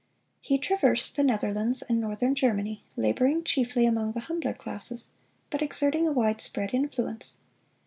He traversed the Netherlands and northern Germany, laboring chiefly among the humbler classes, but exerting a wide spread influence.